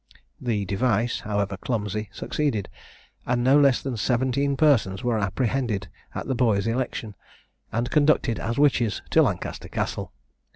The device, however clumsy, succeeded; and no less than seventeen persons were apprehended at the boy's election, and conducted, as witches, to Lancaster Castle.